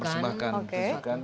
pepeng ingin bersembahkan